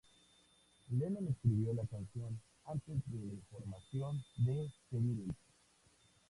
Lennon escribió la canción antes de la formación de The Beatles.